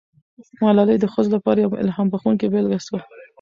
ملالۍ د ښځو لپاره یوه الهام بښونکې بیلګه سوه.